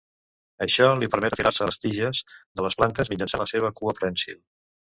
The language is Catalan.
Això li permet enfilar-se a les tiges de les plantes mitjançant la seva cua prènsil.